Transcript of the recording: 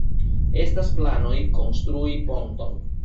Estas planoj konstrui ponton.